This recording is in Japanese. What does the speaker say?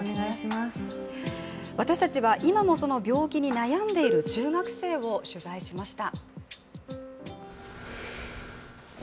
私たちは今もその病気に悩んでいる中学生を取材しました。